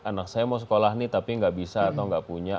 anak saya mau sekolah nih tapi nggak bisa atau nggak punya